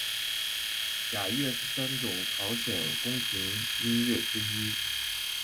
雅乐是三种朝鲜宫廷音乐之一。